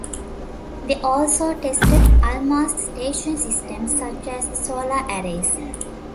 They also tested Almaz station systems, such as the solar arrays.